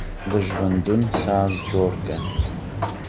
د ژوندون ساز جوړ كه